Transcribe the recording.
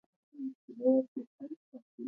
افغانستان د پابندی غرونه له پلوه متنوع دی.